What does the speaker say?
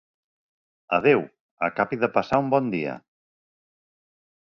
Adeu, acabi de passar un bon dia.